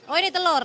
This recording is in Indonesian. oh ini telur